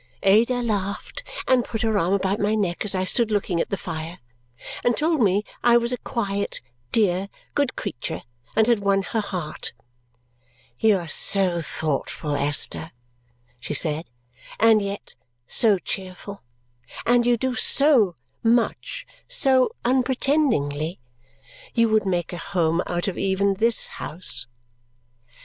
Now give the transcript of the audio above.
Ada laughed and put her arm about my neck as I stood looking at the fire, and told me I was a quiet, dear, good creature and had won her heart. "You are so thoughtful, Esther," she said, "and yet so cheerful! And you do so much, so unpretendingly! You would make a home out of even this house."